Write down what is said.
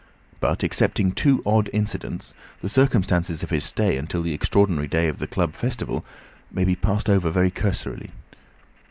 But excepting two odd incidents, the circumstances of his stay until the extraordinary day of the club festival may be passed over very cursorily.